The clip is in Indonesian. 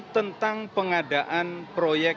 tentang pengadaan proyek